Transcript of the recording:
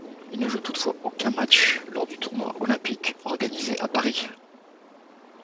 Il ne joue toutefois aucun match lors du tournoi olympique organisé à Paris.